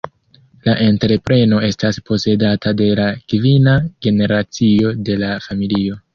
La entrepreno estas posedata de la kvina generacio de la familio.